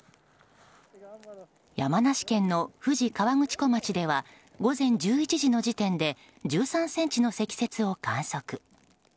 山梨県の富士河口湖町では午前１１時の時点で１３ｃｍの積雪を観測。